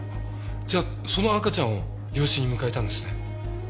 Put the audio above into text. じゃあその赤ちゃんを養子に迎えたんですね。